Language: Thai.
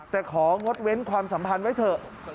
แต่ของงดเว้นความสัมพันธ์ไว้เถอะ